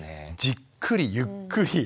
じっくりゆっくり。